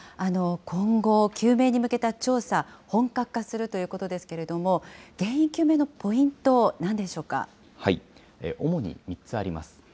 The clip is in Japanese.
今後、究明に向けた調査、本格化するということですけれども、原因究明のポイント、なんでしょう主に３つあります。